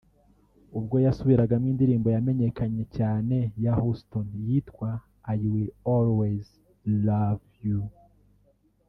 ubwo yasubiragamo indirimbo yamenyekanye cyane ya Houston yitwa ’I Will Always Love You’